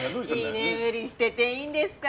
居眠りしてていいんですか？